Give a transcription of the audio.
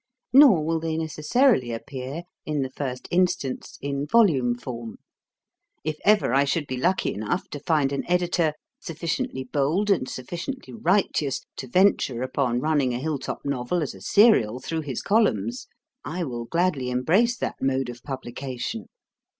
Nor will they necessarily appear in the first instance in volume form. If ever I should be lucky enough to find an editor sufficiently bold and sufficiently righteous to venture upon running a Hill top Novel as a serial through his columns, I will gladly embrace that mode of publication.